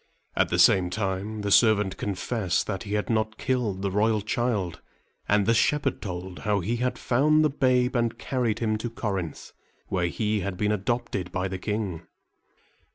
At the same time, the servant confessed that he had not killed the royal child; and the shepherd told how he had found the babe and carried him to Corinth, where he had been adopted by the king.